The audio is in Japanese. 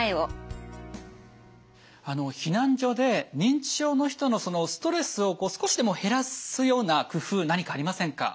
避難所で認知症の人のストレスを少しでも減らすような工夫何かありませんか？